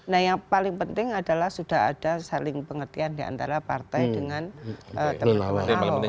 nah yang paling penting adalah sudah ada saling pengertian diantara partai dengan teman teman ahok